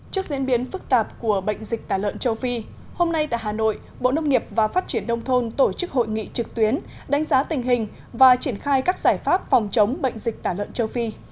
trước diễn biến phức tạp của bệnh dịch tả lợn châu phi hôm nay tại hà nội bộ nông nghiệp và phát triển đông thôn tổ chức hội nghị trực tuyến đánh giá tình hình và triển khai các giải pháp phòng chống bệnh dịch tả lợn châu phi